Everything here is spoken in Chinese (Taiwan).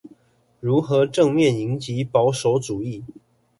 如何正面迎擊保守主義